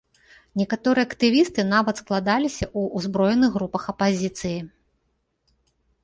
Некаторыя актывісты нават складаліся ў узброеных групах апазіцыі.